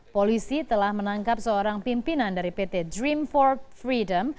polisi telah menangkap seorang pimpinan dari pt dream for freedom